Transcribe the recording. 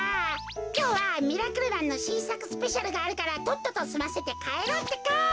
きょうは「ミラクルマン」のしんさくスペシャルがあるからとっととすませてかえろうってか。